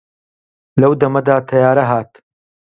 لەو دەمەدا تەیارە هات